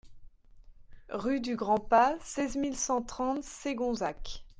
Rue du Grand Pas, seize mille cent trente Segonzac